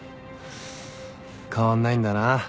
変わんないんだな。